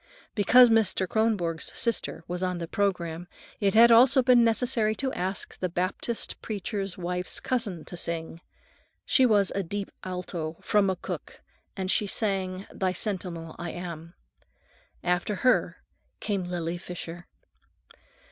Because Mr. Kronborg's sister was on the programme, it had also been necessary to ask the Baptist preacher's wife's cousin to sing. She was a "deep alto" from McCook, and she sang, "Thy Sentinel Am I." After her came Lily Fisher.